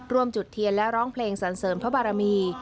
จุดเทียนและร้องเพลงสรรเสริมพระบารมี